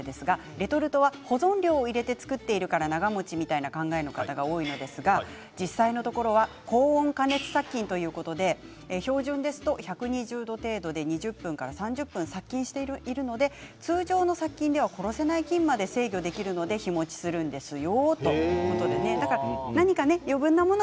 レトルトは保存料を使って作っているから長もちという考え方の方が多いんですが実際のところは、高温加熱殺菌というところ１２０度程度で２０分から３０分殺菌しているので通常の殺菌では殺せないものも殺せるのでセーブできるんですよ。